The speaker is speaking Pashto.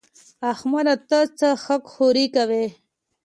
احمده! ته څه خاک ښوري کوې؟